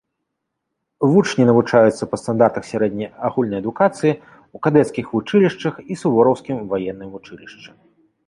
Вучні навучаюцца па стандартах сярэдняй агульнай адукацыі ў кадэцкіх вучылішчах і сувораўскім ваенным вучылішчы.